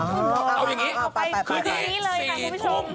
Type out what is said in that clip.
เอาอย่างนี้คือที่๔ทุ่ม